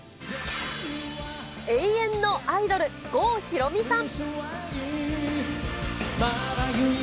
永遠のアイドル、郷ひろみさん。